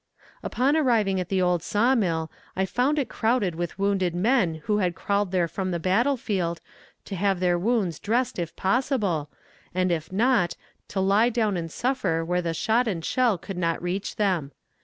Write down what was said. ] Upon arriving at the old saw mill I found it crowded with wounded men who had crawled there from the battle field, to have their wounds dressed if possible, and if not to lie down and suffer where the shot and shell could not reach them.